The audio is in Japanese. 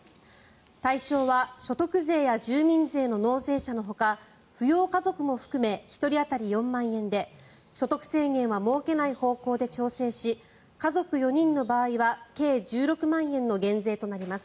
対象は所得税や住民税の納税者のほか扶養家族も含め１人当たり４万円で所得制限は設けない方向で調整し家族４人の場合は計１６万円の減税となります。